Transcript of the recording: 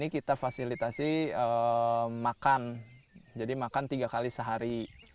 kita memiliki makanan tiga kali sehari